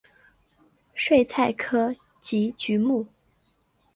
睡菜科及菊目。